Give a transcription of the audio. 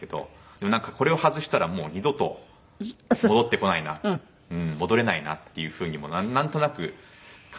でもこれを外したらもう二度と戻ってこないな戻れないなっていう風にもなんとなく感じたので。